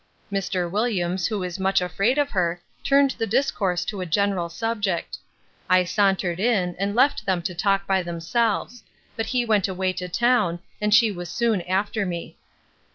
Mr. Williams, who is much afraid of her, turned the discourse to a general subject. I sauntered in, and left them to talk by themselves; but he went away to town, and she was soon after me.